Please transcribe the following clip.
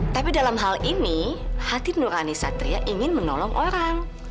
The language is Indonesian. tapi dalam hal ini hati nurani satria ingin menolong orang